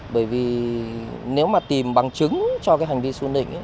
bởi vì nếu mà tìm bằng chứng cho cái hành vi su nịnh